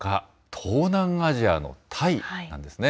東南アジアのタイなんですね。